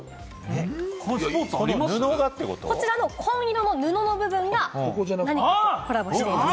紺色の布の部分が何かとコラボしています。